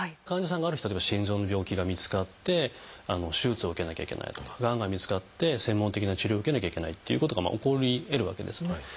患者さんがある日例えば心臓の病気が見つかって手術を受けなきゃいけないとかがんが見つかって専門的な治療を受けなきゃいけないっていうことが起こりえるわけですね。